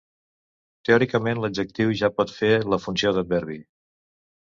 Teòricament l'adjectiu ja pot fer la funció d'adverbi.